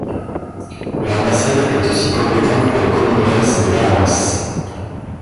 L'ambassade est aussi compétente pour le Commonwealth des Bahamas.